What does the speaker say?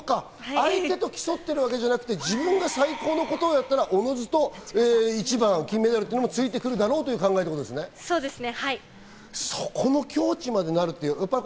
相手と競ってるわけじゃなくて、自分が最高の事をやったらおのずと１番、金メダルがついてくるだろうという考えですね。